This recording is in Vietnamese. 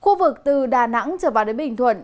khu vực từ đà nẵng trở vào đến bình thuận